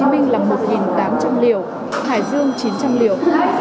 hà nội là một tám trăm linh liều hải dương chín trăm linh liều